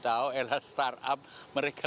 tahu era startup mereka